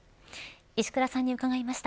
石倉さんに伺いました。